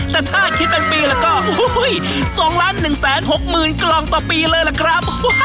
แต่ถ้าคิดเป็นปีแล้วก็๒๑๖๐๐๐กล่องต่อปีเลยล่ะครับ